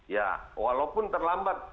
ya walaupun terlambat